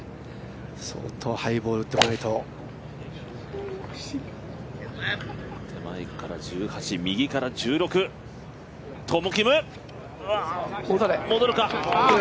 相当ハイボール打たないと手前から１８、右から１６、トム・キム。